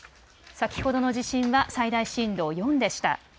先ほどの地震は最大震度４でした。